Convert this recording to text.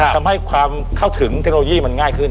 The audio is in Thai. ทำให้ความเข้าถึงเทคโนโลยีมันง่ายขึ้น